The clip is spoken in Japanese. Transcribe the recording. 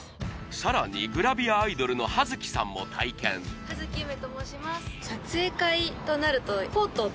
さらにグラビアアイドルの葉月さんも体験葉月ゆめと申します